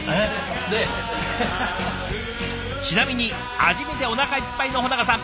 ちなみに味見でおなかいっぱいの保永さん。